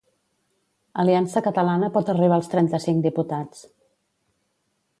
Aliança Catalana pot arribar als trenta-cinc diputats.